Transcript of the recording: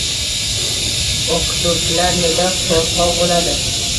O'qituvchilar nega qo'rqoq bo'ladi?